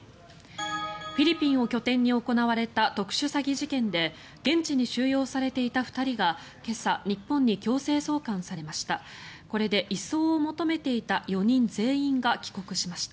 フィリピンを拠点に行われた特殊詐欺事件で現地に収容されていた２人が今朝日本に強制送還されました。